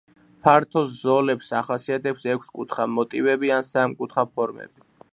ფართო ზოლებს ახასიათებს ექვსკუთხა მოტივები ან სამკუთხა ფორმები.